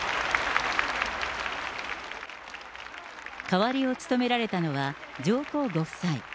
代わりを務められたのは、上皇ご夫妻。